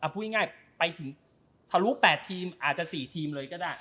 ผู้เย็นง่ายไปถึงสาวรูก๘ทีมอาจจะ๔ทีมเลยก็ได้